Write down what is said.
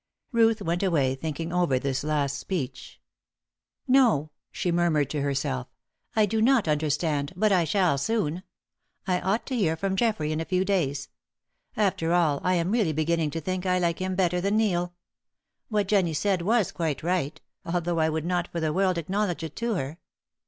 Ruth went away thinking over this last speech. "No," she murmured to herself, "I do not understand, but I shall soon. I ought to hear from Geoffrey in a few days. After all, I am really beginning to think I like him better than Neil. What Jennie said was quite right, although I would not for the world acknowledge it to her.